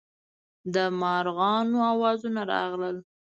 د مارغانو اوازونه راغلل.